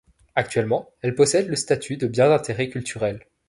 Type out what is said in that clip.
Actuellement elle possède le statut de Bien d'intérêt culturel.